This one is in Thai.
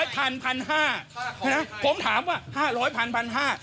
๕๐๐พันพันห้าผมถามว่า๕๐๐พันพันห้า